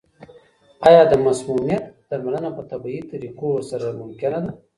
آیا د مسمومیت درملنه په طبیعي طریقو سره ممکنه ده؟